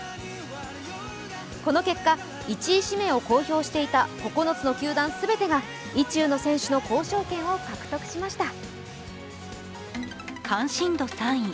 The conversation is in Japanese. この結果、１位指名を公表していた９つの球団全てが意中の選手の交渉権を獲得しました。